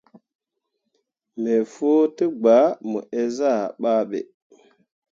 Me fuu degba mo eezah yah babe.